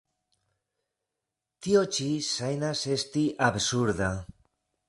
Tio ĉi ŝajnas esti absurda.